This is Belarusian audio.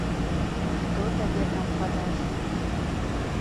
Хто табе там падасць?